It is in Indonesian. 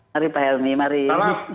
mari pak helmi mari